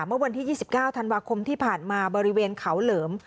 เมื่อวันที่ยี่สิบเก้าธันวาคมที่ผ่านมาบริเวณเขาเหลม